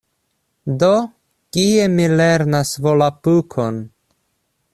Do, kie mi lernas Volapukon?